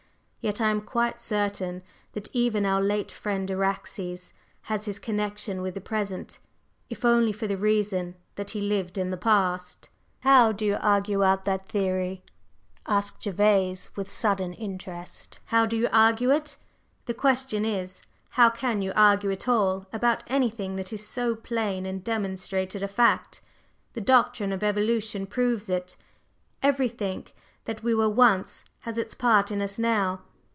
Yet I am quite certain that even our late friend Araxes has his connection with the present, if only for the reason that he lived in the past." "How do you argue out that theory!" asked Gervase with sudden interest. "How do you argue it? The question is, how can you argue at all about anything that is so plain and demonstrated a fact? The doctrine of evolution proves it. Everything that we were once has its part in us now.